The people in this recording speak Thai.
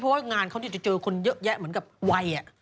เพราะว่างานเขาจะเจอคนเยอะแยะเหมือนกับวัย